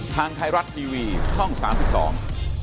ทางไทยรัตน์ทีวีช่อง๓๒